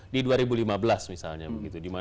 di dua ribu lima belas misalnya begitu